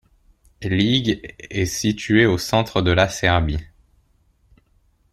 Ljig est située au centre de la Serbie.